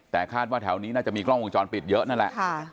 แต่คาดว่าแถวนี้น่าจะมีกล้องวงจรปิดเยอะนั่นแหละ